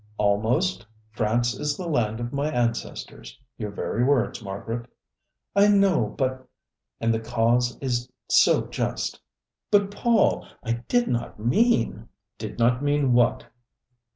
"Almost 'France is the land of my ancestors' your very words, Margaret." "I know, but " "'And the cause is so just.'" "But, Paul, I did not mean " "Did not mean what!"